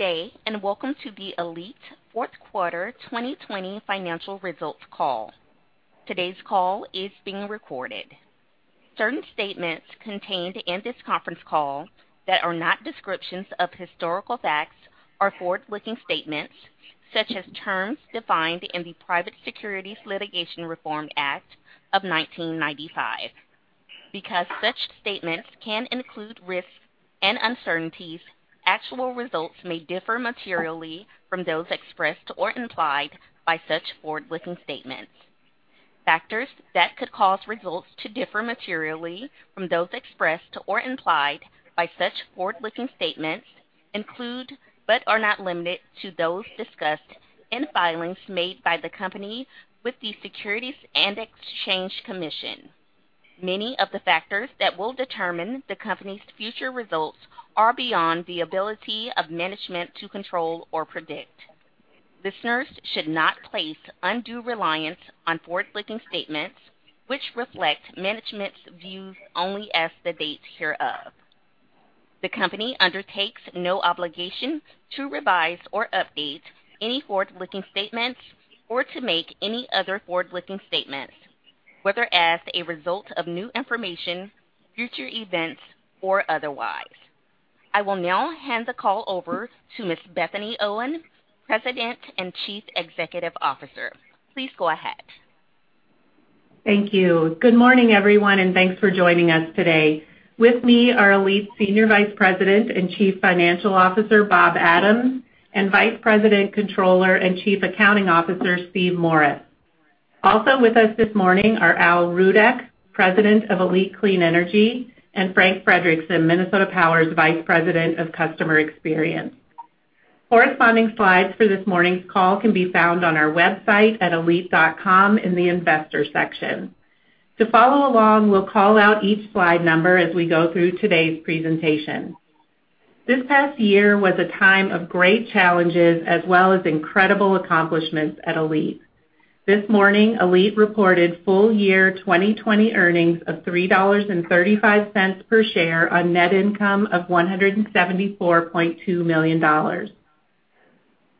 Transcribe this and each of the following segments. Good day, and welcome to the ALLETE fourth quarter 2020 financial results call. Today's call is being recorded. Certain statements contained in this conference call that are not descriptions of historical facts are forward-looking statements, such as terms defined in the Private Securities Litigation Reform Act of 1995. Because such statements can include risks and uncertainties, actual results may differ materially from those expressed or implied by such forward-looking statements. Factors that could cause results to differ materially from those expressed or implied by such forward-looking statements include, but are not limited to, those discussed in filings made by the company with the Securities and Exchange Commission. Many of the factors that will determine the company's future results are beyond the ability of management to control or predict. Listeners should not place undue reliance on forward-looking statements, which reflect management's views only as the date hereof. The company undertakes no obligation to revise or update any forward-looking statements or to make any other forward-looking statements, whether as a result of new information, future events, or otherwise. I will now hand the call over to Ms. Bethany Owen, President and Chief Executive Officer. Please go ahead. Thank you. Good morning, everyone, and thanks for joining us today. With me are ALLETE Senior Vice President and Chief Financial Officer, Bob Adams, and Vice President, Controller, and Chief Accounting Officer, Steve Morris. Also with us this morning are Al Rudeck, President of ALLETE Clean Energy, and Frank Frederickson, Minnesota Power's Vice President of Customer Experience. Corresponding slides for this morning's call can be found on our website at allete.com in the investors section. To follow along, we'll call out each slide number as we go through today's presentation. This past year was a time of great challenges as well as incredible accomplishments at ALLETE. This morning, ALLETE reported full year 2020 earnings of $3.35 per share on net income of $174.2 million.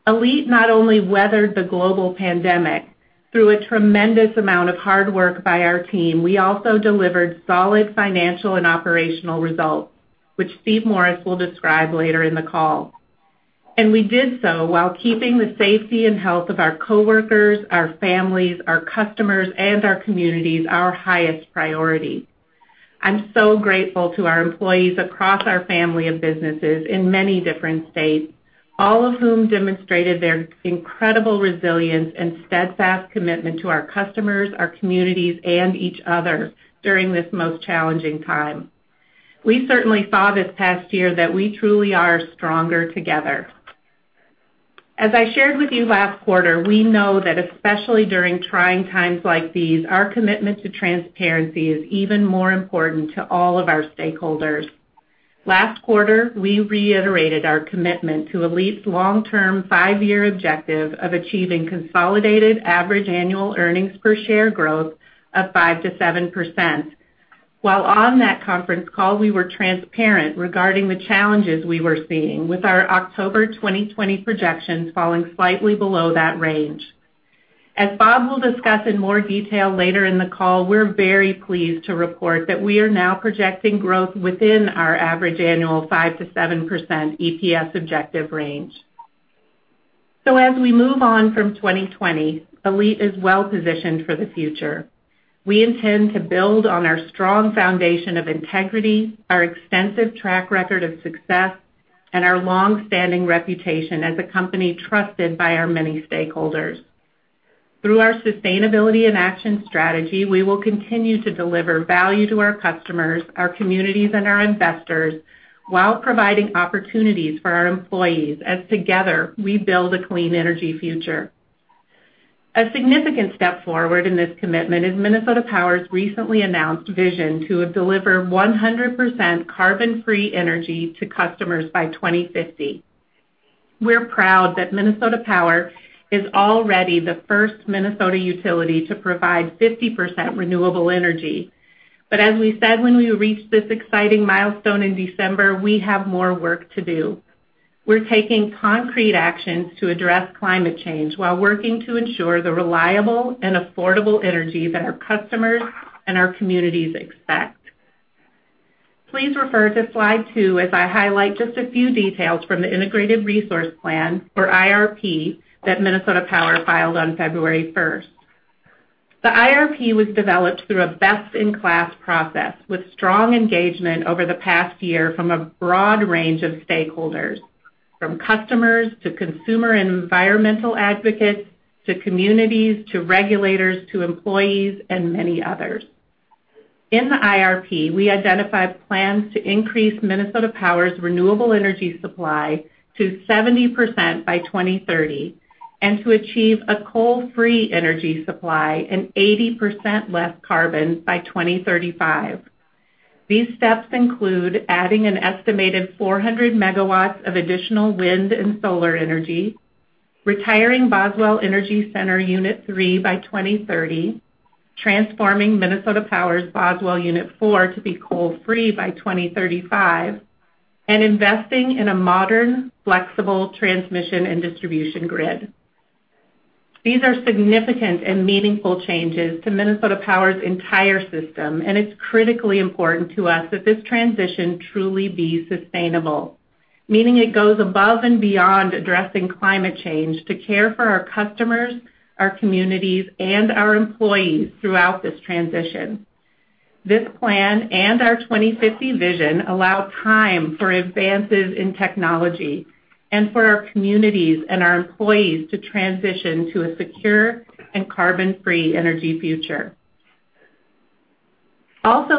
ALLETE not only weathered the global pandemic. Through a tremendous amount of hard work by our team, we also delivered solid financial and operational results, which Steve Morris will describe later in the call. We did so while keeping the safety and health of our coworkers, our families, our customers, and our communities our highest priority. I'm so grateful to our employees across our family of businesses in many different states, all of whom demonstrated their incredible resilience and steadfast commitment to our customers, our communities, and each other during this most challenging time. We certainly saw this past year that we truly are stronger together. As I shared with you last quarter, we know that especially during trying times like these, our commitment to transparency is even more important to all of our stakeholders. Last quarter, we reiterated our commitment to ALLETE's long-term five-year objective of achieving consolidated average annual earnings per share growth of 5%-7%. While on that conference call, we were transparent regarding the challenges we were seeing with our October 2020 projections falling slightly below that range. As Bob will discuss in more detail later in the call, we're very pleased to report that we are now projecting growth within our average annual 5%-7% EPS objective range. As we move on from 2020, ALLETE is well-positioned for the future. We intend to build on our strong foundation of integrity, our extensive track record of success, and our long-standing reputation as a company trusted by our many stakeholders. Through our sustainability and action strategy, we will continue to deliver value to our customers, our communities, and our investors while providing opportunities for our employees as together we build a clean energy future. A significant step forward in this commitment is Minnesota Power's recently announced vision to deliver 100% carbon-free energy to customers by 2050. We're proud that Minnesota Power is already the first Minnesota utility to provide 50% renewable energy. As we said when we reached this exciting milestone in December, we have more work to do. We're taking concrete actions to address climate change while working to ensure the reliable and affordable energy that our customers and our communities expect. Please refer to slide two as I highlight just a few details from the integrated resource plan, or IRP, that Minnesota Power filed on February 1st. The IRP was developed through a best-in-class process with strong engagement over the past year from a broad range of stakeholders, from customers to consumer and environmental advocates, to communities, to regulators, to employees, and many others. In the IRP, we identified plans to increase Minnesota Power's renewable energy supply to 70% by 2030 and to achieve a coal-free energy supply and 80% less carbon by 2035. These steps include adding an estimated 400 MW of additional wind and solar energy, retiring Boswell Energy Center Unit 3 by 2030, transforming Minnesota Power's Boswell Unit 4 to be coal-free by 2035, and investing in a modern, flexible transmission and distribution grid. These are significant and meaningful changes to Minnesota Power's entire system, and it's critically important to us that this transition truly be sustainable. Meaning it goes above and beyond addressing climate change to care for our customers, our communities, and our employees throughout this transition. This plan and our 2050 vision allow time for advances in technology and for our communities and our employees to transition to a secure and carbon-free energy future.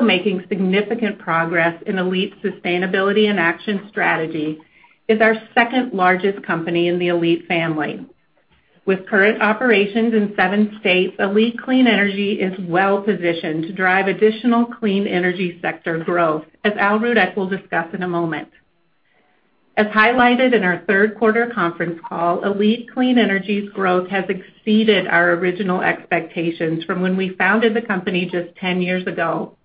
Making significant progress in ALLETE's sustainability and action strategy is our second-largest company in the ALLETE family. With current operations in seven states, ALLETE Clean Energy is well-positioned to drive additional clean energy sector growth, as Al Rudeck will discuss in a moment. Highlighted in our third quarter conference call, ALLETE Clean Energy's growth has exceeded our original expectations from when we founded the company just 10 years ago.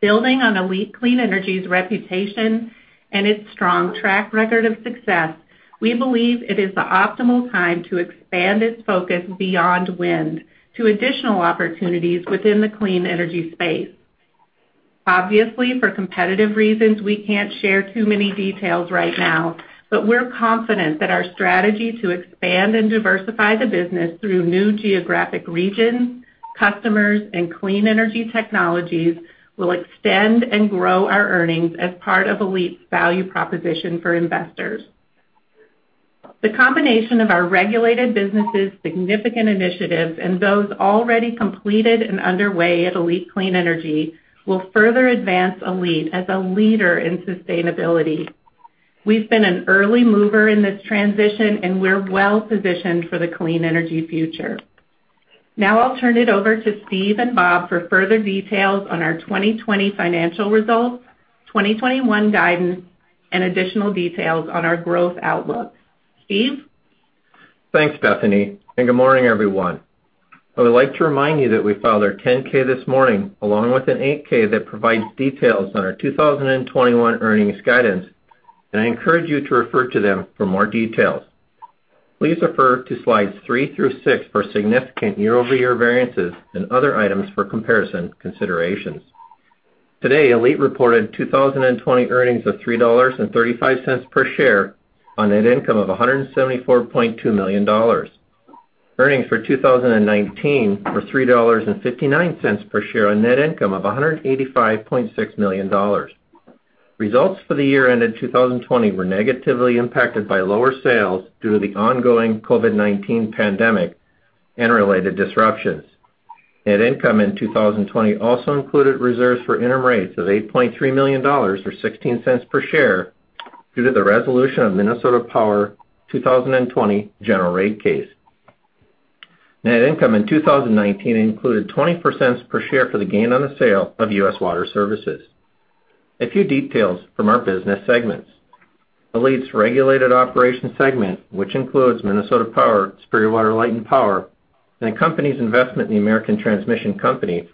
Building on ALLETE Clean Energy's reputation and its strong track record of success, we believe it is the optimal time to expand its focus beyond wind to additional opportunities within the clean energy space. Obviously, for competitive reasons, we can't share too many details right now, but we're confident that our strategy to expand and diversify the business through new geographic regions, customers, and clean energy technologies will extend and grow our earnings as part of ALLETE's value proposition for investors. The combination of our regulated businesses' significant initiatives and those already completed and underway at ALLETE Clean Energy will further advance ALLETE as a leader in sustainability. We've been an early mover in this transition, and we're well-positioned for the clean energy future. Now I'll turn it over to Steve and Bob for further details on our 2020 financial results, 2021 guidance, and additional details on our growth outlook. Steve? Thanks, Bethany, and good morning, everyone. I would like to remind you that we filed our 10-K this morning, along with an 8-K that provides details on our 2021 earnings guidance. I encourage you to refer to them for more details. Please refer to slides three through six for significant year-over-year variances and other items for comparison considerations. Today, ALLETE reported 2020 earnings of $3.35 per share on net income of $174.2 million. Earnings for 2019 were $3.59 per share on net income of $185.6 million. Results for the year ended 2020 were negatively impacted by lower sales due to the ongoing COVID-19 pandemic and related disruptions. Net income in 2020 also included reserves for interim rates of $8.3 million, or $0.16 per share, due to the resolution of Minnesota Power 2020 general rate case. Net income in 2019 included $0.20 per share for the gain on the sale of U.S. Water Services. A few details from our business segments. ALLETE's Regulated Operations segment, which includes Minnesota Power, Superior Water, Light, and Power, and the company's investment in American Transmission Company,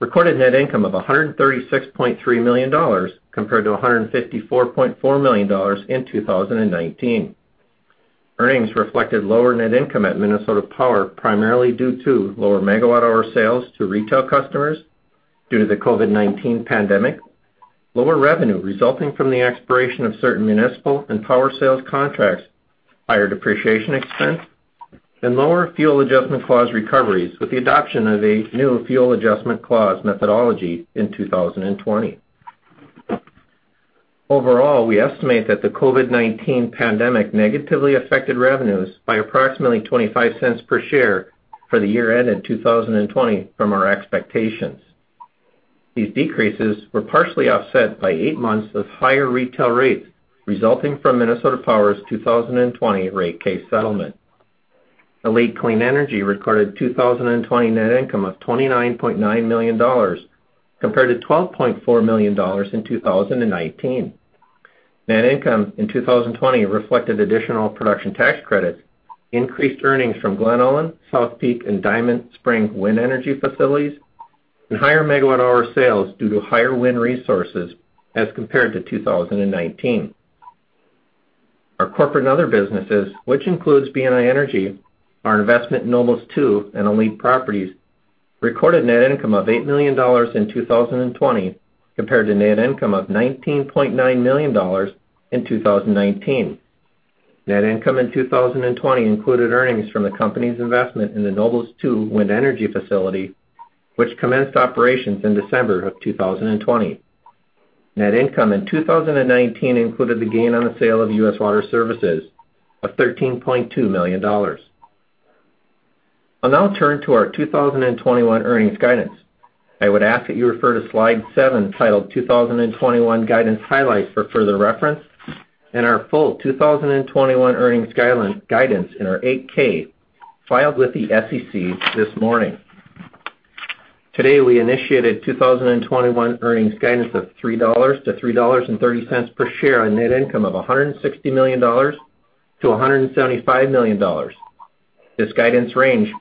recorded net income of $136.3 million, compared to $154.4 million in 2019. Earnings reflected lower net income at Minnesota Power, primarily due to lower megawatt hour sales to retail customers due to the COVID-19 pandemic, lower revenue resulting from the expiration of certain municipal and power sales contracts, higher depreciation expense, and lower fuel adjustment clause recoveries with the adoption of a new fuel adjustment clause methodology in 2020. Overall, we estimate that the COVID-19 pandemic negatively affected revenues by approximately $0.25 per share for the year ended 2020 from our expectations. These decreases were partially offset by eight months of higher retail rates, resulting from Minnesota Power's 2020 rate case settlement. ALLETE Clean Energy recorded 2020 net income of $29.9 million, compared to $12.4 million in 2019. Net income in 2020 reflected additional production tax credits, increased earnings from Glen Ullin, South Peak, and Diamond Spring wind energy facilities, and higher megawatt hour sales due to higher wind resources as compared to 2019. Our corporate and other businesses, which includes BNI Energy, our investment in Nobles 2 and ALLETE Properties, recorded net income of $8 million in 2020, compared to net income of $19.9 million in 2019. Net income in 2020 included earnings from the company's investment in the Nobles 2 wind energy facility, which commenced operations in December of 2020. Net income in 2019 included the gain on the sale of U.S. Water Services of $13.2 million. I'll now turn to our 2021 earnings guidance. I would ask that you refer to slide seven, titled 2021 Guidance Highlights for further reference, and our full 2021 earnings guidance in our 8-K filed with the SEC this morning. Today, we initiated 2021 earnings guidance of $3-$3.30 per share on net income of $160 million-$175 million. This guidance range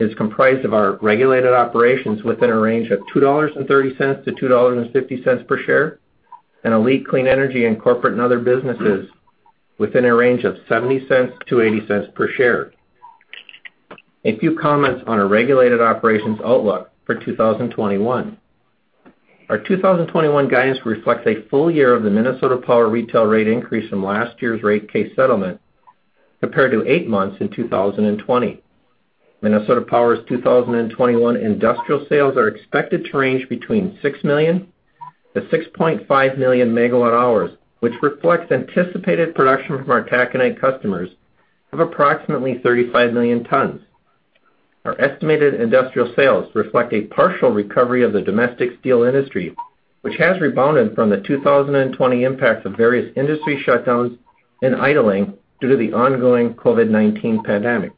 is comprised of our regulated operations within a range of $2.30-$2.50 per share and ALLETE Clean Energy and corporate and other businesses within a range of $0.70-$0.80 per share. A few comments on our regulated operations outlook for 2021. Our 2021 guidance reflects a full year of the Minnesota Power retail rate increase from last year's rate case settlement, compared to eight months in 2020. Minnesota Power's 2021 industrial sales are expected to range between 6 million megawatt hours-6.5 million megawatt hours, which reflects anticipated production from our taconite customers of approximately 35 million tons. Our estimated industrial sales reflect a partial recovery of the domestic steel industry, which has rebounded from the 2020 impacts of various industry shutdowns and idling due to the ongoing COVID-19 pandemic.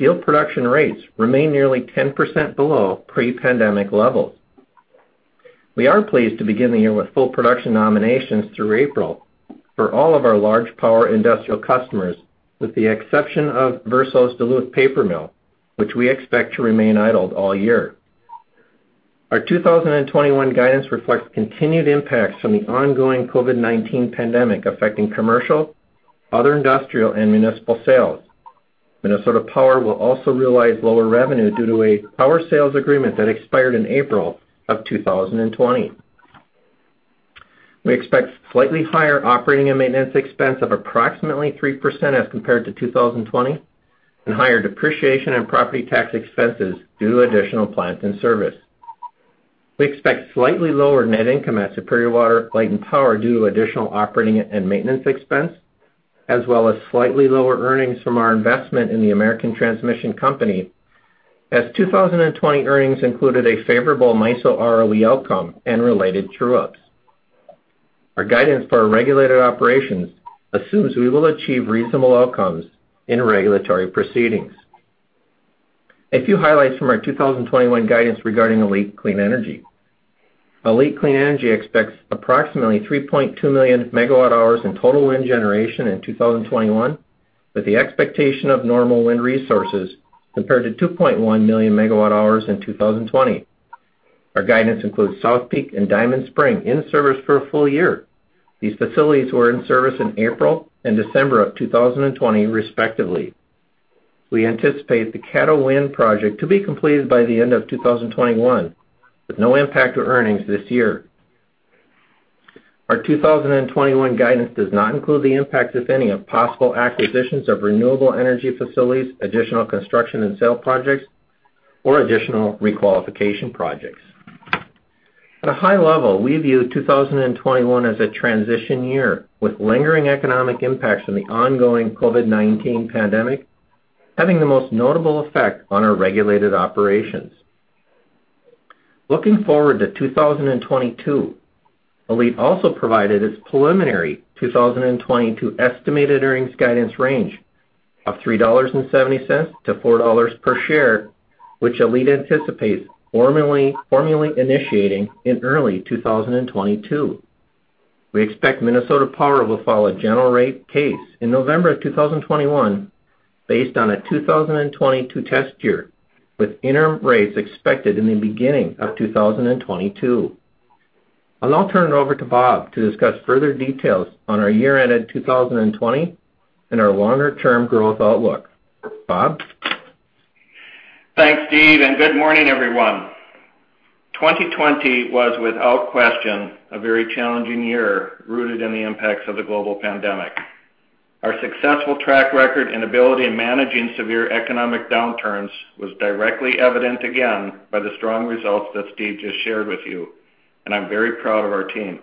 Steel production rates remain nearly 10% below pre-pandemic levels. We are pleased to begin the year with full production nominations through April for all of our large power industrial customers, with the exception of Verso's Duluth paper mill, which we expect to remain idled all year. Our 2021 guidance reflects continued impacts from the ongoing COVID-19 pandemic affecting commercial, other industrial, and municipal sales. Minnesota Power will also realize lower revenue due to a power sales agreement that expired in April of 2020. We expect slightly higher operating and maintenance expense of approximately 3% as compared to 2020, and higher depreciation in property tax expenses due to additional plants and service. We expect slightly lower net income at Superior Water, Light & Power due to additional operating and maintenance expense, as well as slightly lower earnings from our investment in the American Transmission Company, as 2020 earnings included a favorable MISO ROE outcome and related true-ups. Our guidance for our regulated operations assumes we will achieve reasonable outcomes in regulatory proceedings. A few highlights from our 2021 guidance regarding ALLETE Clean Energy. ALLETE Clean Energy expects approximately 3.2 million megawatt hours in total wind generation in 2021, with the expectation of normal wind resources compared to 2.1 million megawatt hours in 2020. Our guidance includes South Peak and Diamond Spring in service for a full year. These facilities were in service in April and December of 2020, respectively. We anticipate the Caddo wind project to be completed by the end of 2021 with no impact to earnings this year. Our 2021 guidance does not include the impacts, if any, of possible acquisitions of renewable energy facilities, additional construction and sale projects, or additional requalification projects. At a high level, we view 2021 as a transition year, with lingering economic impacts from the ongoing COVID-19 pandemic having the most notable effect on our regulated operations. Looking forward to 2022, ALLETE also provided its preliminary 2022 estimated earnings guidance range of $3.70-$4 per share, which ALLETE anticipates formally initiating in early 2022. We expect Minnesota Power will file a general rate case in November of 2021 based on a 2022 test year, with interim rates expected in the beginning of 2022. I'll now turn it over to Bob to discuss further details on our year-ended 2020 and our longer-term growth outlook. Bob? Thanks, Steve, and good morning, everyone. 2020 was, without question, a very challenging year rooted in the impacts of the global pandemic. Our successful track record and ability in managing severe economic downturns was directly evident again by the strong results that Steve just shared with you, and I'm very proud of our team.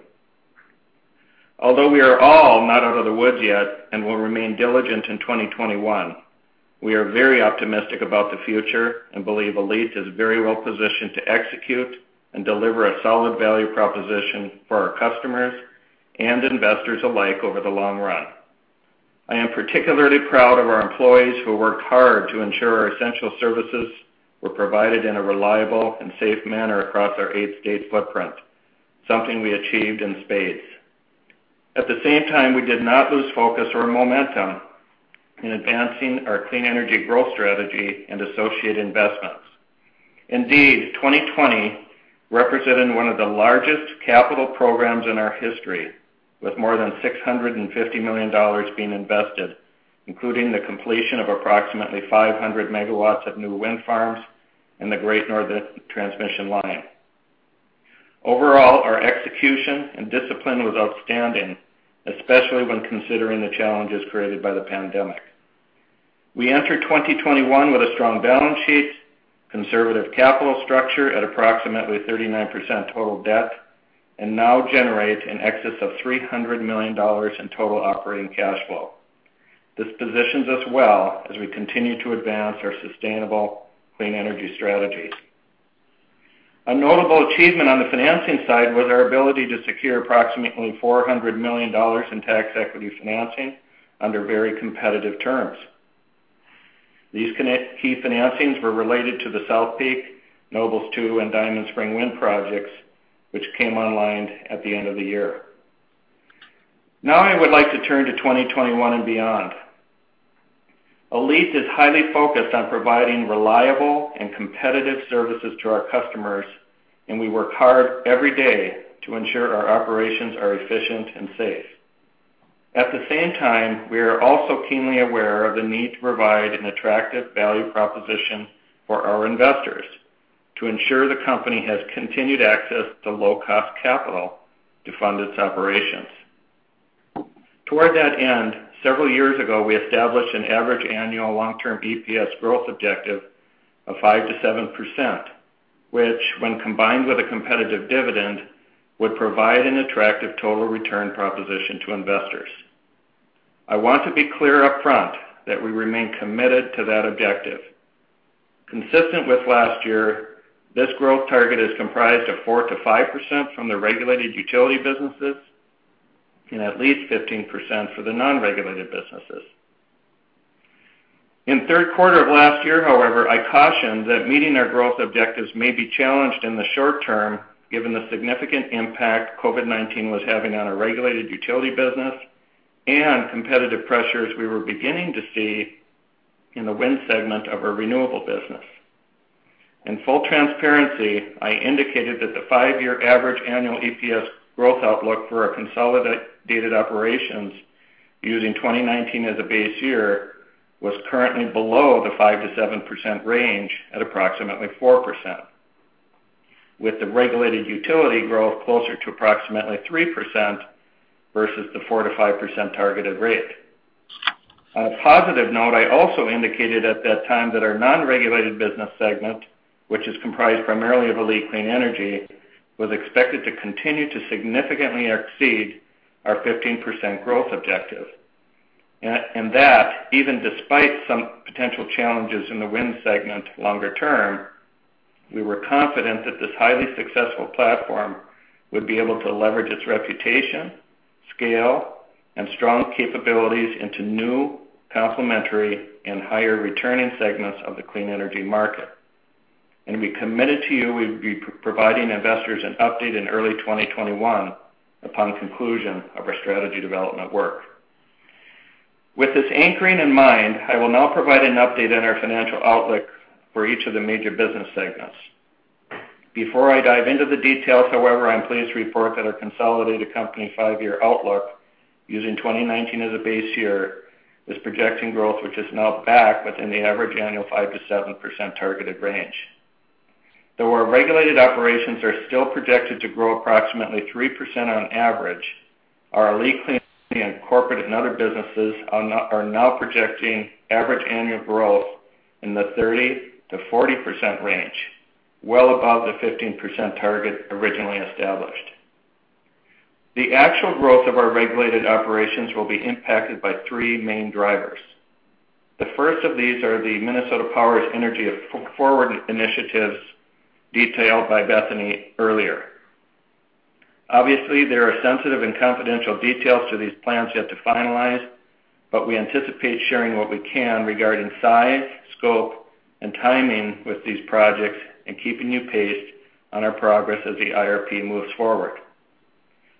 Although we are all not out of the woods yet and will remain diligent in 2021, we are very optimistic about the future and believe ALLETE is very well positioned to execute and deliver a solid value proposition for our customers and investors alike over the long run. I am particularly proud of our employees who worked hard to ensure our essential services were provided in a reliable and safe manner across our eight-state footprint, something we achieved in spades. At the same time, we did not lose focus or momentum in advancing our clean energy growth strategy and associated investments. 2020 represented one of the largest capital programs in our history, with more than $650 million being invested, including the completion of approximately 500 MW of new wind farms and the Great Northern Transmission Line. Overall, our execution and discipline was outstanding, especially when considering the challenges created by the pandemic. We enter 2021 with a strong balance sheet, conservative capital structure at approximately 39% total debt, and now generate in excess of $300 million in total operating cash flow. This positions us well as we continue to advance our sustainable clean energy strategies. A notable achievement on the financing side was our ability to secure approximately $400 million in tax equity financing under very competitive terms. These key financings were related to the South Peak, Nobles 2, and Diamond Spring wind projects, which came online at the end of the year. Now I would like to turn to 2021 and beyond. ALLETE is highly focused on providing reliable and competitive services to our customers, and we work hard every day to ensure our operations are efficient and safe. At the same time, we are also keenly aware of the need to provide an attractive value proposition for our investors to ensure the company has continued access to low-cost capital to fund its operations. Toward that end, several years ago, we established an average annual long-term EPS growth objective of 5%-7%, which, when combined with a competitive dividend, would provide an attractive total return proposition to investors. I want to be clear up front that we remain committed to that objective. Consistent with last year, this growth target is comprised of 4%-5% from the regulated utility businesses and at least 15% for the non-regulated businesses. In the third quarter of last year, however, I cautioned that meeting our growth objectives may be challenged in the short term, given the significant impact COVID-19 was having on our regulated utility business and competitive pressures we were beginning to see in the wind segment of our renewable business. In full transparency, I indicated that the five-year average annual EPS growth outlook for our consolidated operations, using 2019 as a base year, was currently below the 5%-7% range at approximately 4%, with the regulated utility growth closer to approximately 3% versus the 4%-5% targeted rate. On a positive note, I also indicated at that time that our non-regulated business segment, which is comprised primarily of ALLETE Clean Energy, was expected to continue to significantly exceed our 15% growth objective. That even despite some potential challenges in the wind segment longer term, we were confident that this highly successful platform would be able to leverage its reputation, scale, and strong capabilities into new complementary and higher-returning segments of the clean energy market. We committed to you we'd be providing investors an update in early 2021 upon conclusion of our strategy development work. With this anchoring in mind, I will now provide an update on our financial outlook for each of the major business segments. Before I dive into the details, however, I'm pleased to report that our consolidated company five-year outlook, using 2019 as a base year, is projecting growth which is now back within the average annual 5%-7% targeted range. Though our regulated operations are still projected to grow approximately 3% on average, our ALLETE Clean Energy and corporate and other businesses are now projecting average annual growth in the 30%-40% range, well above the 15% target originally established. The actual growth of our regulated operations will be impacted by three main drivers. The first of these are the Minnesota Power's EnergyForward initiatives detailed by Bethany earlier. Obviously, there are sensitive and confidential details to these plans yet to finalize, but we anticipate sharing what we can regarding size, scope, and timing with these projects and keeping you paced on our progress as the IRP moves forward.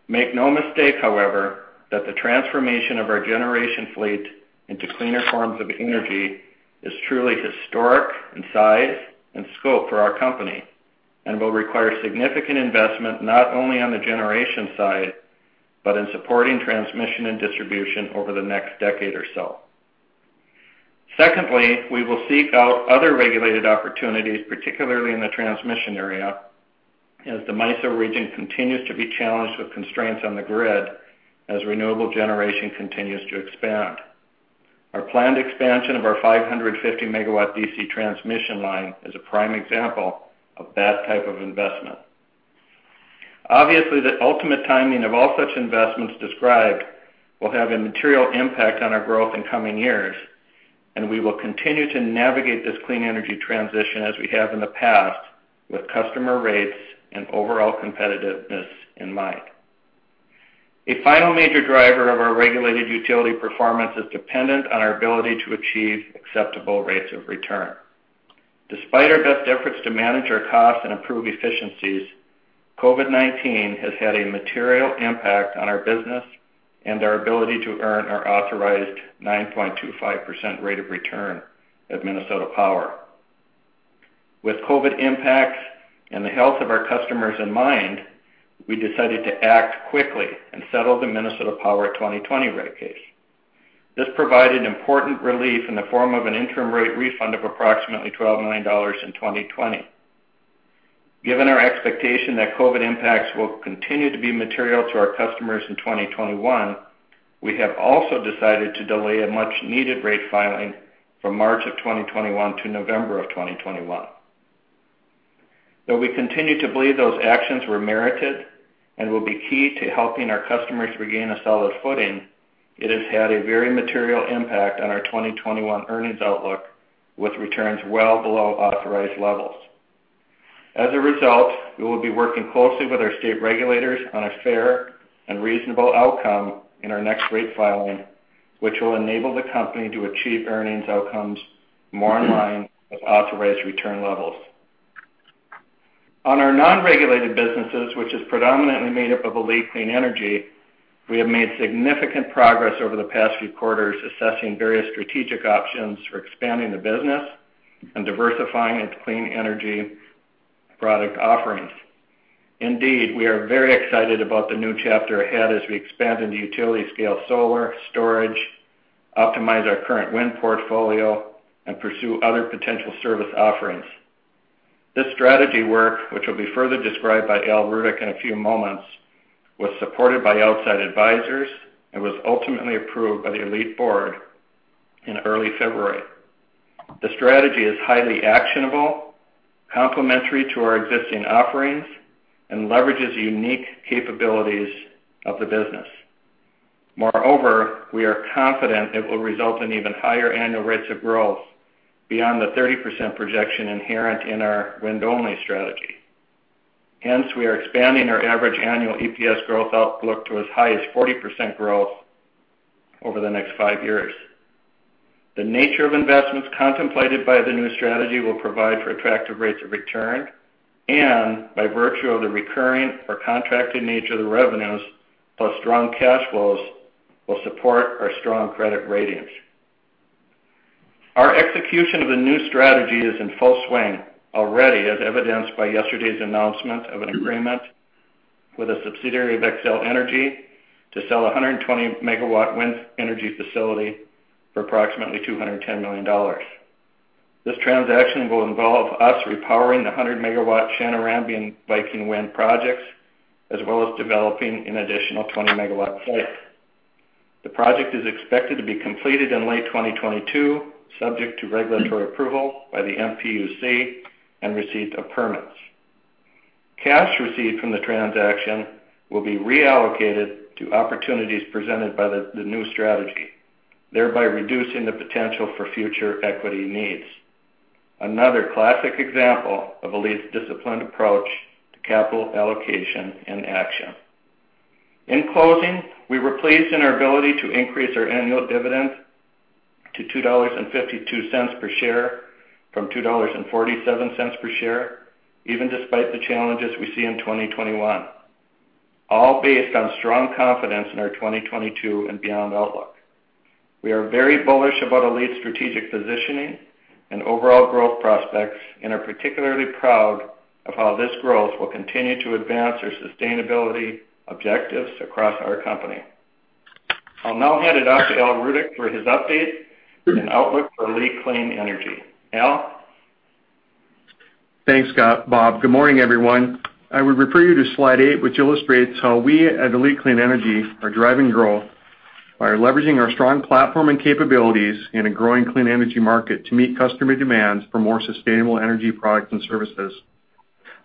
Make no mistake, however, that the transformation of our generation fleet into cleaner forms of energy is truly historic in size and scope for our company, and will require significant investment not only on the generation side, but in supporting transmission and distribution over the next decade or so. Secondly, we will seek out other regulated opportunities, particularly in the transmission area, as the MISO region continues to be challenged with constraints on the grid as renewable generation continues to expand. Our planned expansion of our 550 MW DC transmission line is a prime example of that type of investment. Obviously, the ultimate timing of all such investments described will have a material impact on our growth in coming years, and we will continue to navigate this clean energy transition as we have in the past with customer rates and overall competitiveness in mind. A final major driver of our regulated utility performance is dependent on our ability to achieve acceptable rates of return. Despite our best efforts to manage our costs and improve efficiencies, COVID-19 has had a material impact on our business and our ability to earn our authorized 9.25% rate of return at Minnesota Power. With COVID impacts and the health of our customers in mind, we decided to act quickly and settle the Minnesota Power 2020 rate case. This provided important relief in the form of an interim rate refund of approximately $12 million in 2020. Given our expectation that COVID impacts will continue to be material to our customers in 2021, we have also decided to delay a much-needed rate filing from March of 2021 to November of 2021. Though we continue to believe those actions were merited and will be key to helping our customers regain a solid footing. It has had a very material impact on our 2021 earnings outlook, with returns well below authorized levels. As a result, we will be working closely with our state regulators on a fair and reasonable outcome in our next rate filing, which will enable the company to achieve earnings outcomes more in line with authorized return levels. On our non-regulated businesses, which is predominantly made up of ALLETE Clean Energy, we have made significant progress over the past few quarters assessing various strategic options for expanding the business and diversifying its clean energy product offerings. Indeed, we are very excited about the new chapter ahead as we expand into utility-scale solar storage, optimize our current wind portfolio, and pursue other potential service offerings. This strategy work, which will be further described by Al Rudeck in a few moments, was supported by outside advisors and was ultimately approved by the ALLETE board in early February. The strategy is highly actionable, complementary to our existing offerings, and leverages unique capabilities of the business. We are confident it will result in even higher annual rates of growth beyond the 30% projection inherent in our wind-only strategy. We are expanding our average annual EPS growth outlook to as high as 40% growth over the next five years. The nature of investments contemplated by the new strategy will provide for attractive rates of return, and by virtue of the recurring or contracted nature of the revenues, plus strong cash flows, will support our strong credit ratings. Our execution of the new strategy is in full swing already, as evidenced by yesterday's announcement of an agreement with a subsidiary of Xcel Energy to sell a 120 MW wind energy facility for approximately $210 million. This transaction will involve us repowering the 100 MW Chanarambie and Viking wind projects, as well as developing an additional 20 MW site. The project is expected to be completed in late 2022, subject to regulatory approval by the MPUC, and receipt of permits. Cash received from the transaction will be reallocated to opportunities presented by the new strategy, thereby reducing the potential for future equity needs. Another classic example of ALLETE's disciplined approach to capital allocation in action. In closing, we were pleased in our ability to increase our annual dividend to $2.52 per share from $2.47 per share, even despite the challenges we see in 2021, all based on strong confidence in our 2022 and beyond outlook. We are very bullish about ALLETE's strategic positioning and overall growth prospects and are particularly proud of how this growth will continue to advance our sustainability objectives across our company. I'll now hand it off to Al Rudeck for his update and outlook for ALLETE Clean Energy. Al? Thanks, Bob. Good morning, everyone. I would refer you to slide eight, which illustrates how we at ALLETE Clean Energy are driving growth by leveraging our strong platform and capabilities in a growing clean energy market to meet customer demands for more sustainable energy products and services.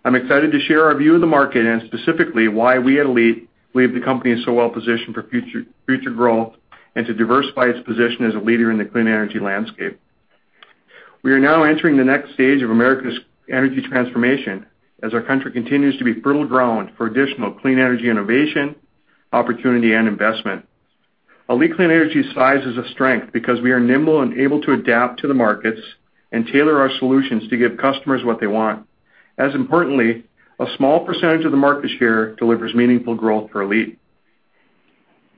I'm excited to share our view of the market and specifically why we at ALLETE believe the company is so well positioned for future growth and to diversify its position as a leader in the clean energy landscape. We are now entering the next stage of America's energy transformation as our country continues to be fertile ground for additional clean energy innovation, opportunity, and investment. ALLETE Clean Energy's size is a strength because we are nimble and able to adapt to the markets and tailor our solutions to give customers what they want. As importantly, a small percentage of the market share delivers meaningful growth for ALLETE.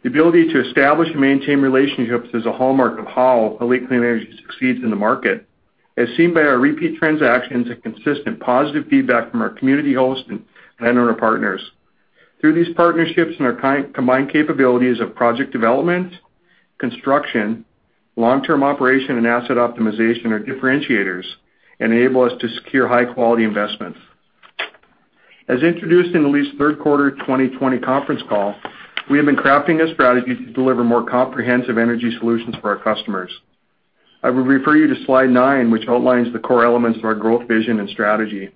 The ability to establish and maintain relationships is a hallmark of how ALLETE Clean Energy succeeds in the market, as seen by our repeat transactions and consistent positive feedback from our community hosts and landowner partners. Through these partnerships and our combined capabilities of project development, construction, long-term operation, and asset optimization are differentiators and enable us to secure high-quality investments. As introduced in ALLETE's third quarter 2020 conference call, we have been crafting a strategy to deliver more comprehensive energy solutions for our customers. I would refer you to slide nine, which outlines the core elements of our growth, vision, and strategy.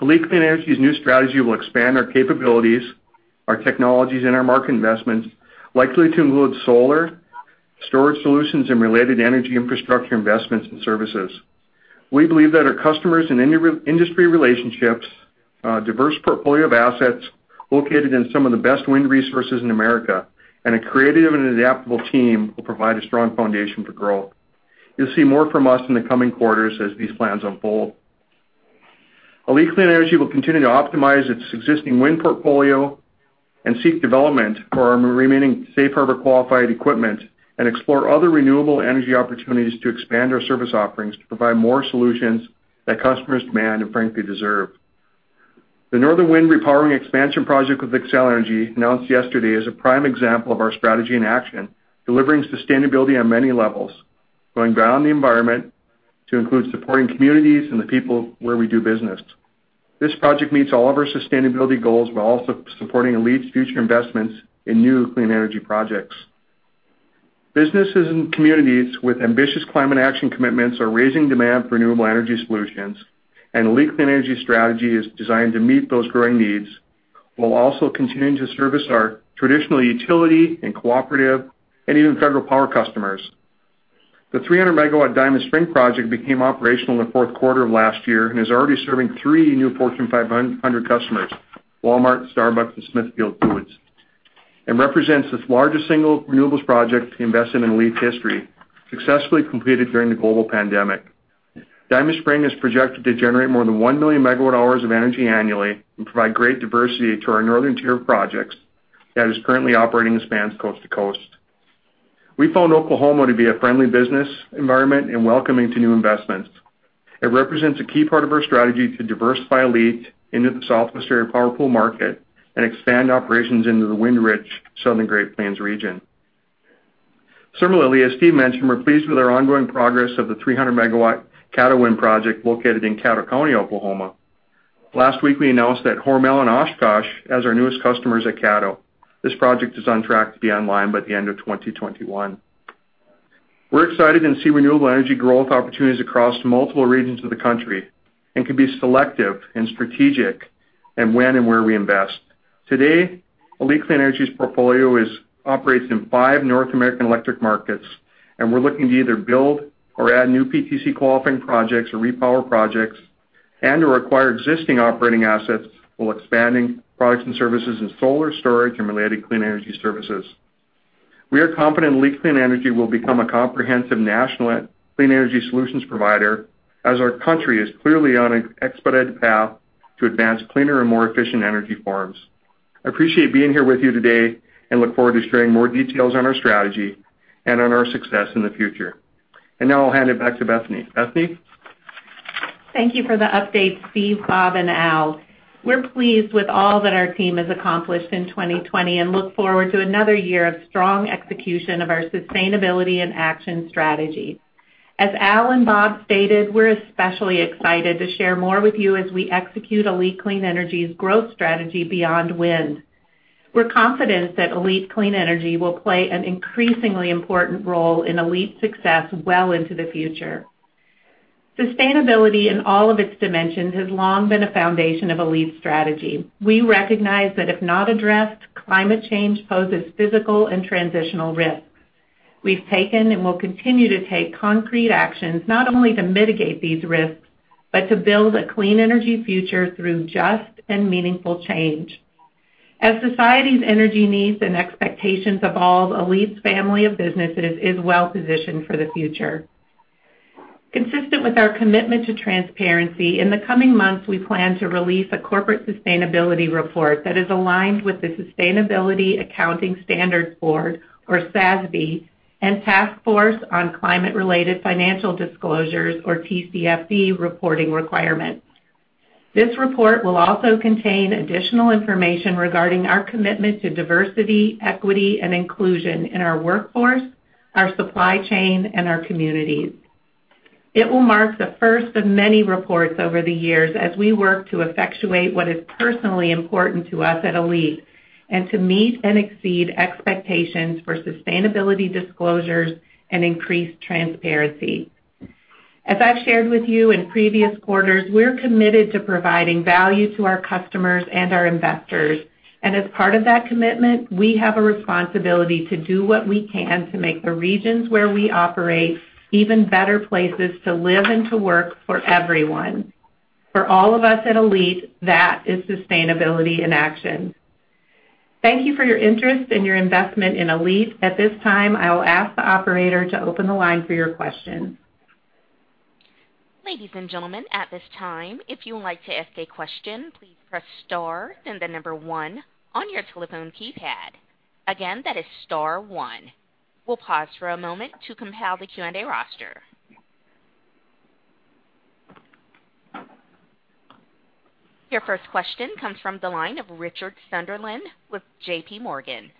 ALLETE Clean Energy's new strategy will expand our capabilities, our technologies, and our market investments, likely to include solar, storage solutions, and related energy infrastructure investments and services. We believe that our customers and industry relationships, diverse portfolio of assets located in some of the best wind resources in America, and a creative and adaptable team will provide a strong foundation for growth. You'll see more from us in the coming quarters as these plans unfold. ALLETE Clean Energy will continue to optimize its existing wind portfolio and seek development for our remaining safe harbor-qualified equipment and explore other renewable energy opportunities to expand our service offerings to provide more solutions that customers demand and frankly deserve. The Northern Wind Repowering Expansion project with Xcel Energy announced yesterday is a prime example of our strategy in action, delivering sustainability on many levels, going beyond the environment to include supporting communities and the people where we do business. This project meets all of our sustainability goals while also supporting ALLETE's future investments in new clean energy projects. Businesses and communities with ambitious climate action commitments are raising demand for renewable energy solutions, ALLETE Clean Energy's strategy is designed to meet those growing needs, while also continuing to service our traditional utility and cooperative, and even federal power customers. The 300 MW Diamond Spring project became operational in the fourth quarter of last year and is already serving three new Fortune 500 customers, Walmart, Starbucks, and Smithfield Foods. It represents the largest single renewables project investment in ALLETE's history, successfully completed during the global pandemic. Diamond Spring is projected to generate more than 1 million megawatt hours of energy annually and provide great diversity to our northern tier of projects that is currently operating and spans coast to coast. We found Oklahoma to be a friendly business environment and welcoming to new investments. It represents a key part of our strategy to diversify ALLETE into the Southwest Power Pool market and expand operations into the wind-rich Southern Great Plains region. Similarly, as Steve mentioned, we're pleased with our ongoing progress of the 300 MW Caddo wind project located in Caddo County, Oklahoma. Last week, we announced that Hormel and Oshkosh as our newest customers at Caddo. This project is on track to be online by the end of 2021. We're excited and see renewable energy growth opportunities across multiple regions of the country and can be selective and strategic in when and where we invest. Today, ALLETE Clean Energy's portfolio operates in five North American electric markets. We're looking to either build or add new PTC-qualifying projects or repower projects and/or acquire existing operating assets while expanding products and services in solar storage and related clean energy services. We are confident ALLETE Clean Energy will become a comprehensive national clean energy solutions provider as our country is clearly on an expedited path to advance cleaner and more efficient energy forms. I appreciate being here with you today and look forward to sharing more details on our strategy and on our success in the future. Now I'll hand it back to Bethany. Bethany? Thank you for the update, Steve, Bob, and Al. We're pleased with all that our team has accomplished in 2020 and look forward to another year of strong execution of our sustainability and action strategy. As Al and Bob stated, we're especially excited to share more with you as we execute ALLETE Clean Energy's growth strategy beyond wind. We're confident that ALLETE Clean Energy will play an increasingly important role in ALLETE's success well into the future. Sustainability in all of its dimensions has long been a foundation of ALLETE's strategy. We recognize that if not addressed, climate change poses physical and transitional risks. We've taken and will continue to take concrete actions, not only to mitigate these risks, but to build a clean energy future through just and meaningful change. As society's energy needs and expectations evolve, ALLETE's family of businesses is well-positioned for the future. Consistent with our commitment to transparency, in the coming months, we plan to release a corporate sustainability report that is aligned with the Sustainability Accounting Standards Board, or SASB, and Task Force on Climate-related Financial Disclosures, or TCFD, reporting requirements. This report will also contain additional information regarding our commitment to diversity, equity, and inclusion in our workforce, our supply chain, and our communities. It will mark the first of many reports over the years as we work to effectuate what is personally important to us at ALLETE and to meet and exceed expectations for sustainability disclosures and increased transparency. As I've shared with you in previous quarters, we're committed to providing value to our customers and our investors. As part of that commitment, we have a responsibility to do what we can to make the regions where we operate even better places to live and to work for everyone. For all of us at ALLETE, that is sustainability in action. Thank you for your interest and your investment in ALLETE. At this time, I will ask the operator to open the line for your questions. Ladies and gentleman, at this time, if you want to ask question please press star and then the number one on your telephone keypad. Again, that is star one. We'll pause for a moment to compile the Q&A roster. Your first question comes from the line of Richard Sunderland with JPMorgan.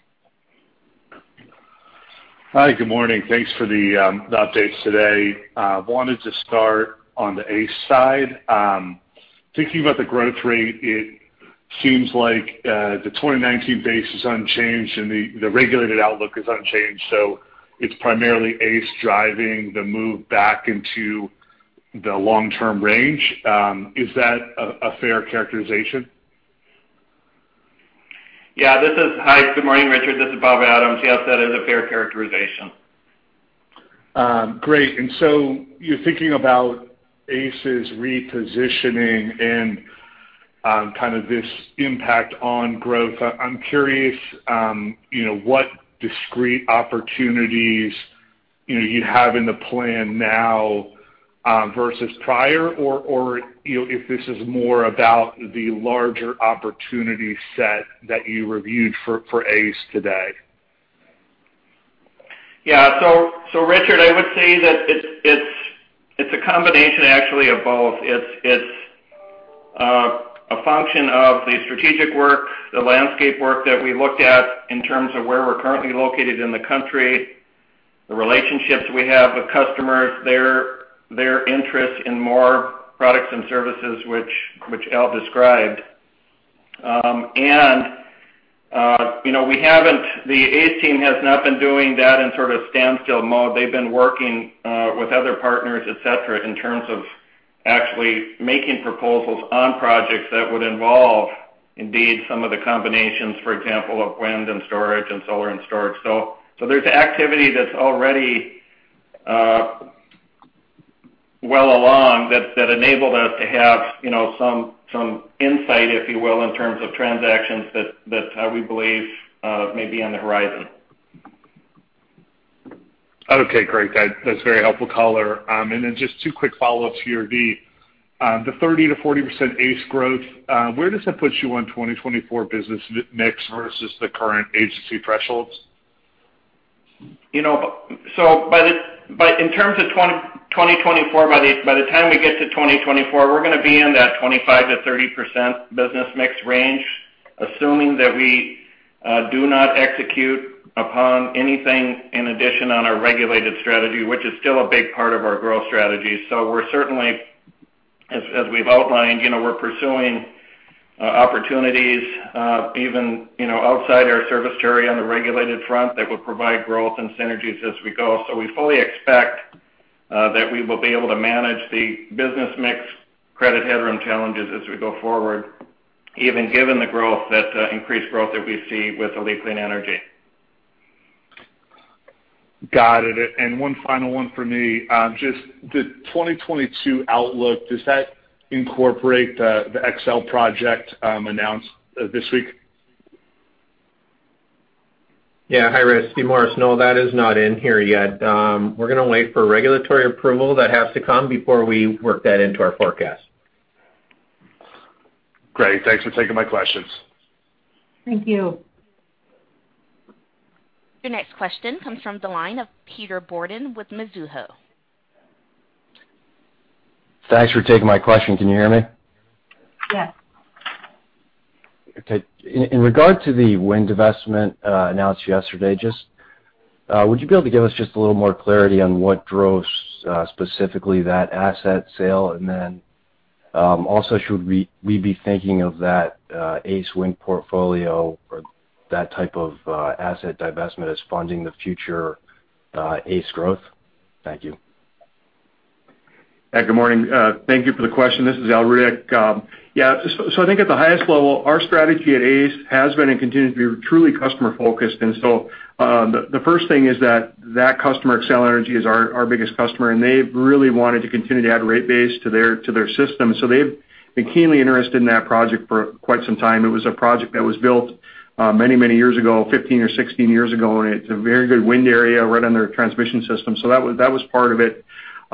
Hi, good morning. Thanks for the updates today. Wanted to start on the ACE side. Thinking about the growth rate, it seems like the 2019 base is unchanged and the regulated outlook is unchanged. It's primarily ACE driving the move back into the long-term range. Is that a fair characterization? Good morning, Richard. This is Bob Adams. Yes, that is a fair characterization. Great. You're thinking about ACE's repositioning and kind of this impact on growth. I'm curious what discrete opportunities you have in the plan now versus prior, or if this is more about the larger opportunity set that you reviewed for ACE today. Yeah. Richard, I would say that it's a combination, actually, of both. It's a function of the strategic work, the landscape work that we looked at in terms of where we're currently located in the country, the relationships we have with customers, their interest in more products and services, which Al described. The ACE team has not been doing that in standstill mode. They've been working with other partners, et cetera, in terms of actually making proposals on projects that would involve, indeed, some of the combinations, for example, of wind and storage and solar and storage. There's activity that's already well along that's enabled us to have some insight, if you will, in terms of transactions that we believe may be on the horizon. Okay, great. That's very helpful, caller. Just two quick follow-ups here. The 30%-40% ACE growth, where does that put you on 2024 business mix versus the current agency thresholds? By the time we get to 2024, we're going to be in that 25%-30% business mix range, assuming that we do not execute upon anything in addition on our regulated strategy, which is still a big part of our growth strategy. We're certainly, as we've outlined, we're pursuing opportunities even outside our service territory on the regulated front that would provide growth and synergies as we go. We fully expect that we will be able to manage the business mix credit headroom challenges as we go forward, even given the increased growth that we see with ALLETE Clean Energy. Got it. One final one for me. Just the 2022 outlook, does that incorporate the Xcel project announced this week? Hi, Richard, it's Morris. No, that is not in here yet. We're going to wait for regulatory approval that has to come before we work that into our forecast. Great. Thanks for taking my questions. Thank you. Your next question comes from the line of Peter Bourdon with Mizuho. Thanks for taking my question. Can you hear me? Yes. Okay. In regard to the wind divestment announced yesterday, would you be able to give us just a little more clarity on what drove specifically that asset sale? Then also, should we be thinking of that ACE wind portfolio or that type of asset divestment as funding the future ACE growth? Thank you. Good morning. Thank you for the question. This is Al Rudeck. I think at the highest level, our strategy at ACE has been and continues to be truly customer-focused. The first thing is that that customer, Xcel Energy, is our biggest customer, and they've really wanted to continue to add rate base to their system. They've been keenly interested in that project for quite some time. It was a project that was built many years ago, 15 or 16 years ago, and it's a very good wind area right on their transmission system. That was part of it.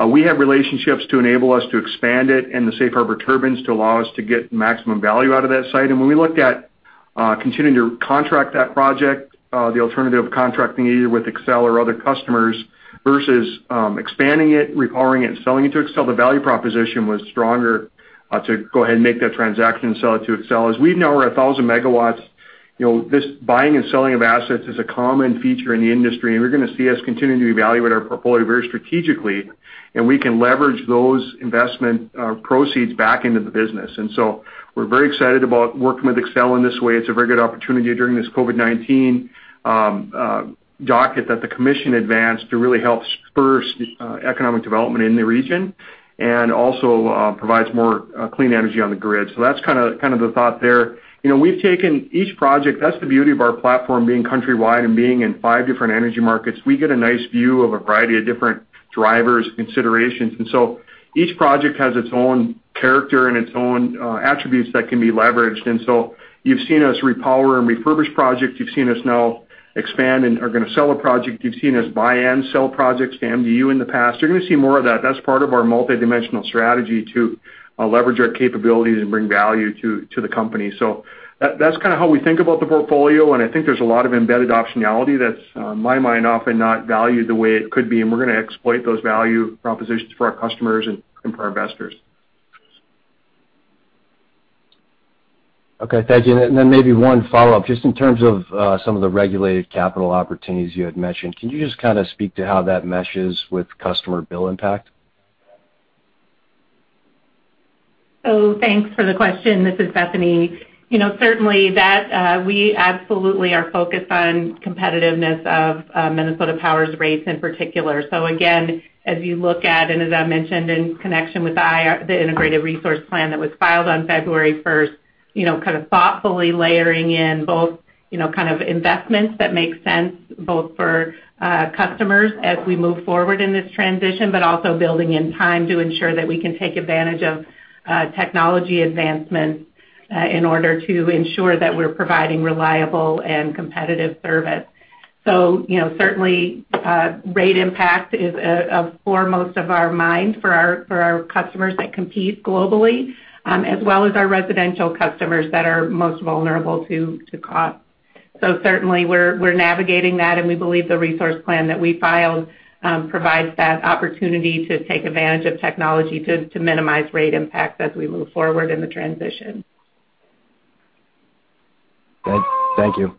We have relationships to enable us to expand it and the safe harbor turbines to allow us to get maximum value out of that site. When we looked at continuing to contract that project, the alternative of contracting either with Xcel or other customers versus expanding it, repowering it, and selling it to Xcel, the value proposition was stronger to go ahead and make that transaction and sell it to Xcel. As we've noted, we're 1,000 MW. This buying and selling of assets is a common feature in the industry, and you're going to see us continuing to evaluate our portfolio very strategically, and we can leverage those investment proceeds back into the business. We're very excited about working with Xcel in this way. It's a very good opportunity during this COVID-19 docket that the commission advanced to really help spur economic development in the region and also provides more clean energy on the grid. That's kind of the thought there. We've taken each project. That's the beauty of our platform being countrywide and being in five different energy markets. We get a nice view of a variety of different drivers and considerations. Each project has its own character and its own attributes that can be leveraged. You've seen us repower and refurbish projects. You've seen us now expand and are going to sell a project. You've seen us buy and sell projects to MDU in the past. You're going to see more of that. That's part of our multidimensional strategy to leverage our capabilities and bring value to the company. That's kind of how we think about the portfolio, and I think there's a lot of embedded optionality that's, in my mind, often not valued the way it could be, and we're going to exploit those value propositions for our customers and for our investors. Okay, thank you. Maybe one follow-up. Just in terms of some of the regulated capital opportunities you had mentioned, can you just kind of speak to how that meshes with customer bill impact? Thanks for the question. This is Bethany. Certainly, we absolutely are focused on competitiveness of Minnesota Power's rates in particular. Again, as you look at, and as I mentioned in connection with the Integrated Resource Plan that was filed on February 1st, kind of thoughtfully layering in both kind of investments that make sense both for customers as we move forward in this transition, but also building in time to ensure that we can take advantage of technology advancements in order to ensure that we're providing reliable and competitive service. Certainly, rate impact is foremost of our mind for our customers that compete globally, as well as our residential customers that are most vulnerable to cost. Certainly, we're navigating that, and we believe the resource plan that we filed provides that opportunity to take advantage of technology to minimize rate impact as we move forward in the transition. Thank you.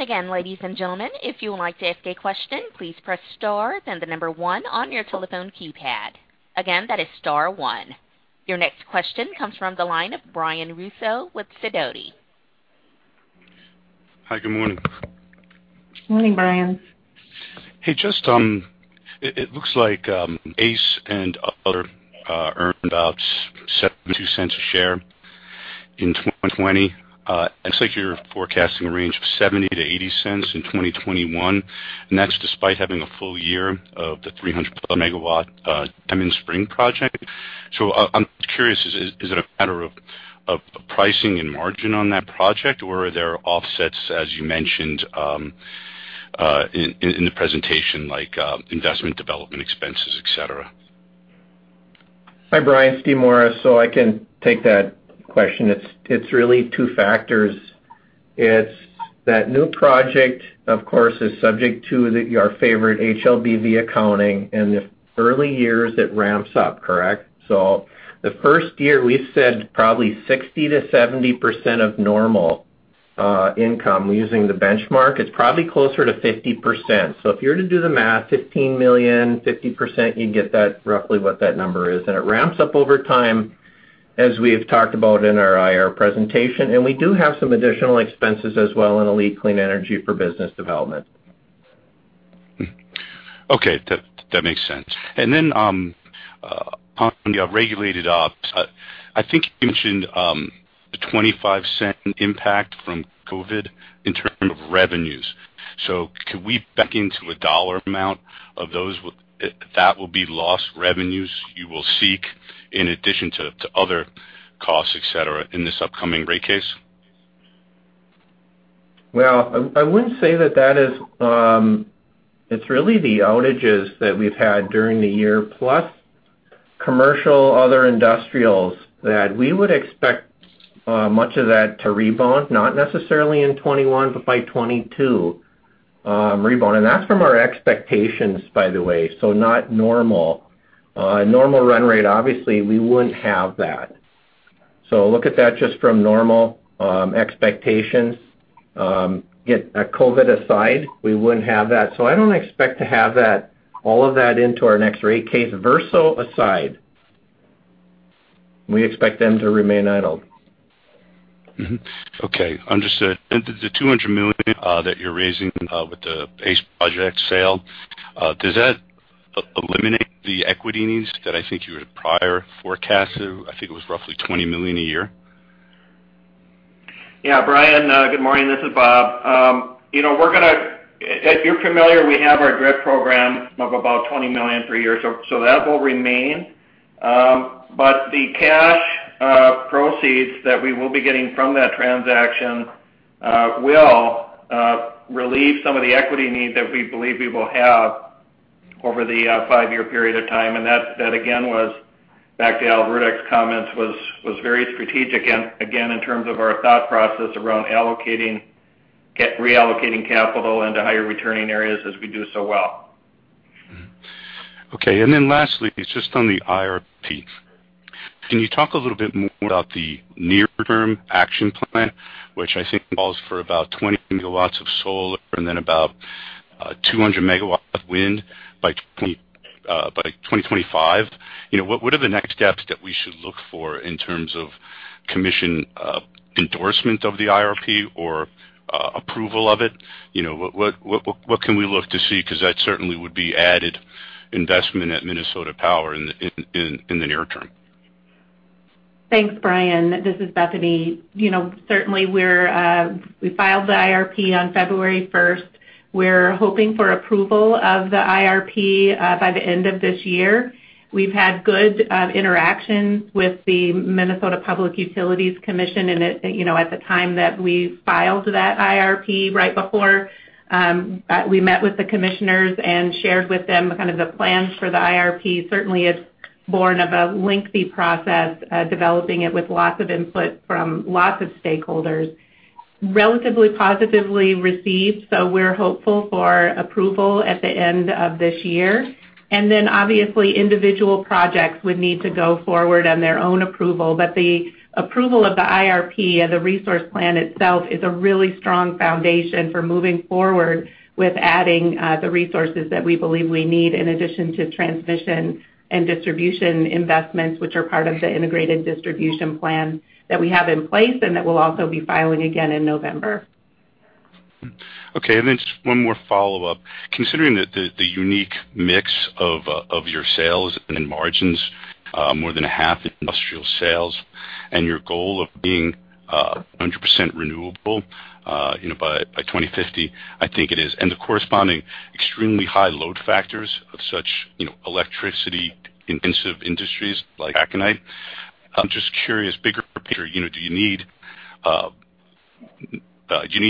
Again, ladies and gentlemen, if you would like to ask a question, please press star then the number one on your telephone keypad. Again, that is star one. Your next question comes from the line of Brian Russo with Sidoti. Hi. Good morning. Morning, Brian. Hey, it looks like ACE and other earned about $0.72 a share in 2020. It looks like you're forecasting a range of $0.70-$0.80 in 2021. That's despite having a full year of the 300MW Diamond Spring project. I'm curious, is it a matter of pricing and margin on that project? Or are there offsets, as you mentioned in the presentation, like investment development expenses, et cetera? Hi, Brian. It's Steve Morris. I can take that question. It's really two factors. It's that new project, of course, is subject to our favorite HLBV accounting in the early years it ramps up. Correct? The first year, we've said probably 60%-70% of normal income using the benchmark. It's probably closer to 50%. If you were to do the math, $15 million, 50%, you'd get that roughly what that number is. It ramps up over time, as we have talked about in our IR presentation. We do have some additional expenses as well in ALLETE Clean Energy for business development. Okay. That makes sense. On the regulated ops, I think you mentioned a $0.25 impact from COVID in terms of revenues. Could we back into a dollar amount of those that will be lost revenues you will seek in addition to other costs, et cetera, in this upcoming rate case? I wouldn't say that is. It's really the outages that we've had during the year, plus commercial, other industrials that we would expect much of that to rebound, not necessarily in 2021, but by 2022 rebound. That's from our expectations, by the way. Not normal. Normal run rate, obviously we wouldn't have that. Look at that just from normal expectations. COVID aside, we wouldn't have that. I don't expect to have all of that into our next rate case. Verso aside. We expect them to remain idled. Okay. Understood. The $200 million that you're raising with the ACE project sale, does that eliminate the equity needs that I think you had prior forecasted? I think it was roughly $20 million a year. Brian, good morning. This is Bob. As you're familiar, we have our DRIP program of about $20 million per year. That will remain. The cash proceeds that we will be getting from that transaction will relieve some of the equity needs that we believe we will have over the five-year period of time. That, again, was back to Al Rudeck's comments, was very strategic, again, in terms of our thought process around reallocating capital into higher returning areas as we do so well. Mm-hmm. Okay. Lastly, just on the IRP. Can you talk a little bit more about the near-term action plan, which I think calls for about 20 MW of solar and then about 200 MW of wind by 2025? What are the next steps that we should look for in terms of commission endorsement of the IRP or approval of it? What can we look to see? That certainly would be added investment at Minnesota Power in the near term. Thanks, Brian. This is Bethany. Certainly, we filed the IRP on February 1st. We're hoping for approval of the IRP by the end of this year. We've had good interactions with the Minnesota Public Utilities Commission, and at the time that we filed that IRP right before, we met with the commissioners and shared with them kind of the plans for the IRP. Certainly, it's born of a lengthy process, developing it with lots of input from lots of stakeholders. Relatively positively received, so we're hopeful for approval at the end of this year. Obviously, individual projects would need to go forward on their own approval. The approval of the IRP as a resource plan itself is a really strong foundation for moving forward with adding the resources that we believe we need in addition to transmission and distribution investments, which are part of the integrated distribution plan that we have in place and that we'll also be filing again in November. Okay. Just one more follow-up. Considering the unique mix of your sales and margins, more than half industrial sales, and your goal of being 100% renewable by 2050, I think it is, and the corresponding extremely high load factors of such electricity-intensive industries like taconite, I'm just curious, bigger picture, do you need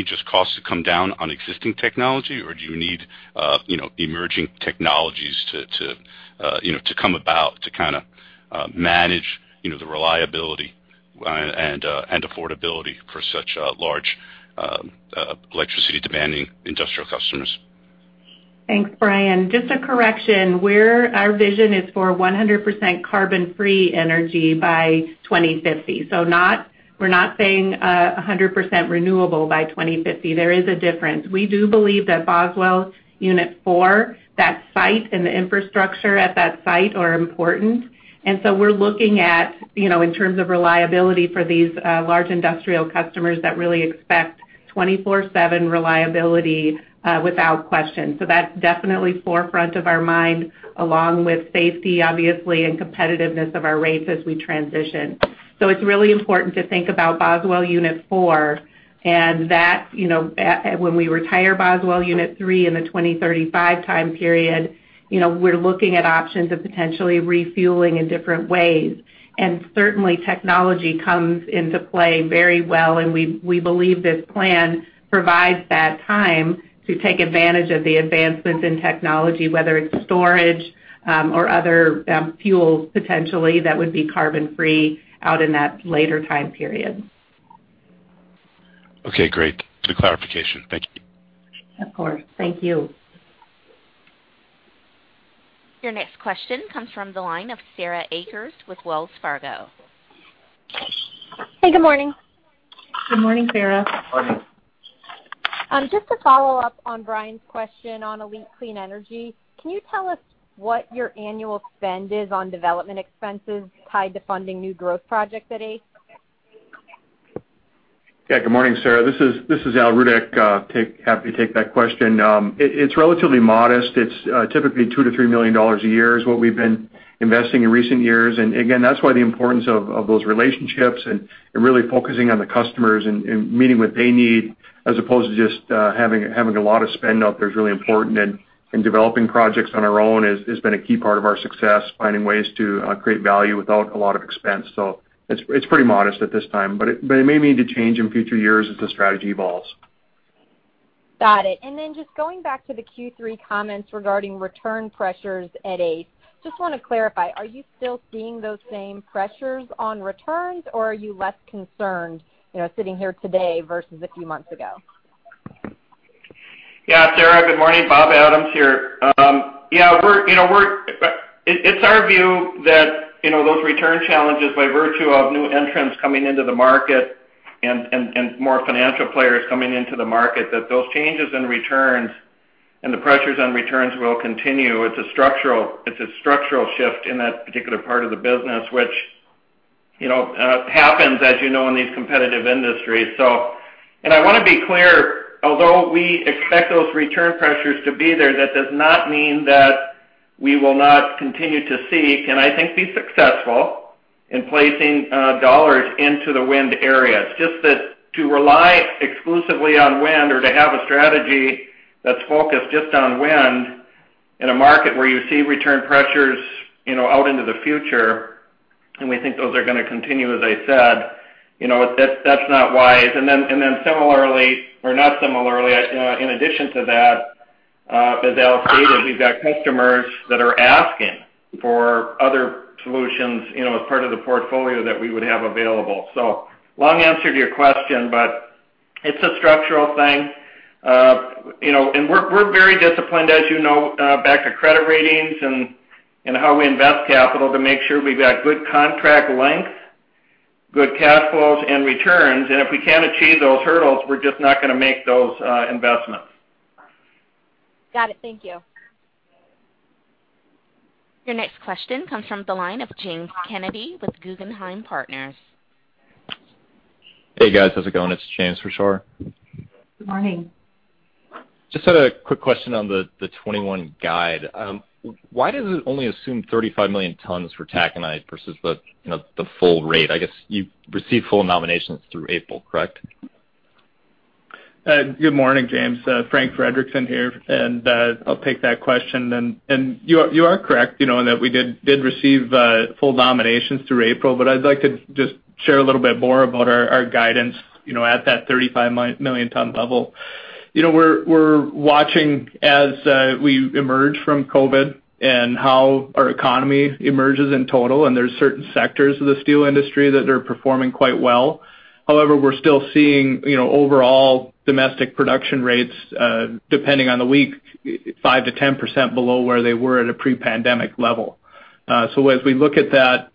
just costs to come down on existing technology, or do you need emerging technologies to come about to kind of manage the reliability and affordability for such large electricity-demanding industrial customers? Thanks, Brian. Just a correction, our vision is for 100% carbon-free energy by 2050. We're not saying 100% renewable by 2050. There is a difference. We do believe that Boswell Unit 4, that site, and the infrastructure at that site are important. We're looking at, in terms of reliability for these large industrial customers that really expect 24/7 reliability without question. That's definitely forefront of our mind, along with safety, obviously, and competitiveness of our rates as we transition. It's really important to think about Boswell Unit 4, and when we retire Boswell Unit 3 in the 2035 time period, we're looking at options of potentially refueling in different ways. Certainly, technology comes into play very well, and we believe this plan provides that time to take advantage of the advancements in technology, whether it's storage or other fuels potentially, that would be carbon-free out in that later time period. Okay, great. Good clarification. Thank you. Of course. Thank you. Your next question comes from the line of Sarah Akers with Wells Fargo. Hey, good morning. Good morning, Sarah. Morning. Just to follow up on Brian's question on ALLETE Clean Energy, can you tell us what your annual spend is on development expenses tied to funding new growth projects at ACE? Yeah, good morning, Sarah. This is Al Rudeck. Happy to take that question. It's relatively modest. It's typically $2 million-$3 million a year is what we've been investing in recent years. Again, that's why the importance of those relationships and really focusing on the customers and meeting what they need, as opposed to just having a lot of spend out there is really important. Developing projects on our own has been a key part of our success, finding ways to create value without a lot of expense. It's pretty modest at this time, but it may need to change in future years as the strategy evolves. Got it. Just going back to the Q3 comments regarding return pressures at ACE. Just want to clarify, are you still seeing those same pressures on returns, or are you less concerned, sitting here today versus a few months ago? Sarah, good morning. Bob Adams here. It's our view that those return challenges, by virtue of new entrants coming into the market and more financial players coming into the market, that those changes in returns and the pressures on returns will continue. It's a structural shift in that particular part of the business, which happens as you know in these competitive industries. I want to be clear, although we expect those return pressures to be there, that does not mean that we will not continue to seek, and I think be successful, in placing dollars into the wind areas. Just that to rely exclusively on wind or to have a strategy that's focused just on wind in a market where you see return pressures out into the future, and we think those are going to continue, as I said, that's not wise. In addition to that, as Al stated, we've got customers that are asking for other solutions as part of the portfolio that we would have available. Long answer to your question, but it's a structural thing. We're very disciplined, as you know, back to credit ratings and how we invest capital to make sure we've got good contract length, good cash flows, and returns. If we can't achieve those hurdles, we're just not going to make those investments. Got it. Thank you. Your next question comes from the line of James Kennedy with Guggenheim Partners. Hey, guys, how's it going? It's James, for sure. Good morning. Just had a quick question on the 2021 guide. Why does it only assume 35 million tons for taconite versus the full rate? I guess you received full nominations through April, correct? Good morning, James. Frank Frederickson here. I'll take that question. You are correct, in that we did receive full nominations through April. I'd like to just share a little bit more about our guidance at that 35 million ton level. We're watching as we emerge from COVID and how our economy emerges in total. There's certain sectors of the steel industry that are performing quite well. However, we're still seeing overall domestic production rates, depending on the week, 5%-10% below where they were at a pre-pandemic level. As we look at that,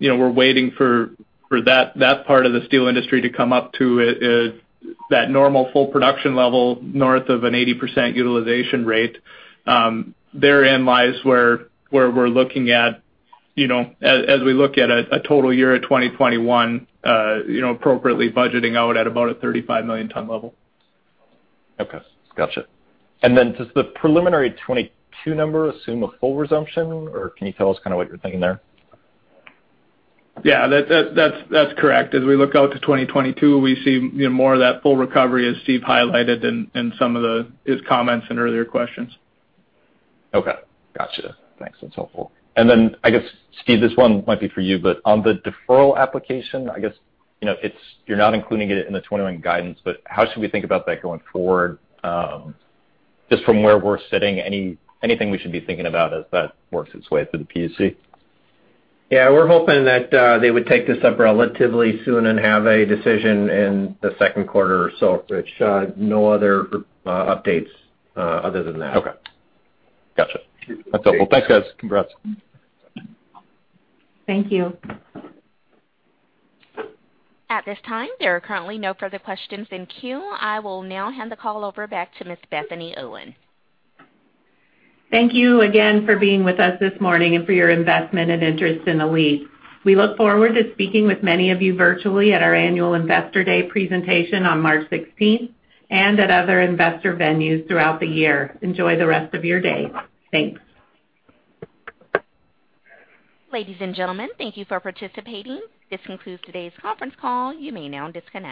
we're waiting for that part of the steel industry to come up to that normal full production level north of an 80% utilization rate. Therein lies where we're looking at, as we look at a total year of 2021, appropriately budgeting out at about a 35 million ton level. Okay. Gotcha. Does the preliminary 2022 number assume a full resumption, or can you tell us kind of what you're thinking there? Yeah, that's correct. As we look out to 2022, we see more of that full recovery, as Steve highlighted in some of his comments in earlier questions. Okay, gotcha. Thanks. That's helpful. I guess, Steve, this one might be for you, but on the deferral application, I guess you're not including it in the 2021 guidance, but how should we think about that going forward? Just from where we're sitting, anything we should be thinking about as that works its way through the PUC? Yeah, we're hoping that they would take this up relatively soon and have a decision in the second quarter or so, but no other updates other than that. Okay. Gotcha. That's helpful. Thanks, guys. Congrats. Thank you. At this time, there are currently no further questions in queue. I will now hand the call over back to Ms. Bethany Owen. Thank you again for being with us this morning and for your investment and interest in ALLETE. We look forward to speaking with many of you virtually at our annual investor day presentation on March 16th, and at other investor venues throughout the year. Enjoy the rest of your day. Thanks. Ladies and gentlemen, thank you for participating. This concludes today's conference call. You may now disconnect.